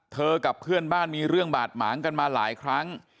กับเพื่อนบ้านมีเรื่องบาดหมางกันมาหลายครั้ง